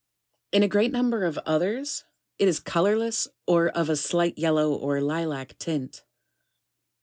In a great number of others, it is colourless, or of a slight yellow or lilach tint.